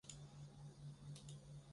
官至陕西右布政使。